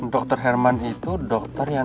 dokter herman itu dokter yang